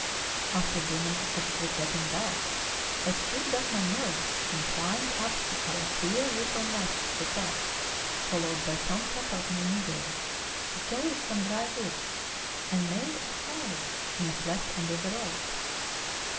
After dinner, as it was getting dark, I screwed up my nerves and climbed up to our queer little nest at the top, followed by Tom PETER BOTTE. 257 Keppel and a Negro, who carried some dry wood, and made a fire in a cleft under the rock.